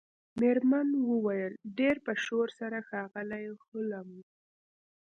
میرمن وویل ډیر په شور سره ښاغلی هولمز